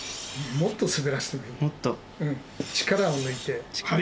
もっと滑らせてもいい。